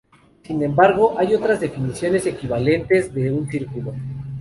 Sin embargo, hay otras, definiciones equivalentes de un círculo.